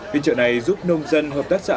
phiên trợ này giúp nông dân hợp tác xã